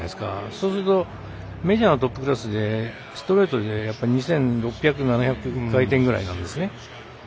そうするとメジャーのトップクラスでストレートで２６００２７００回転ぐらいなんですよね。